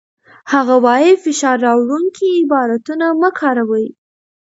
هغه وايي، فشار راوړونکي عبارتونه مه کاروئ.